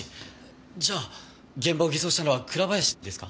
じゃあ現場を偽装したのは倉林ですか？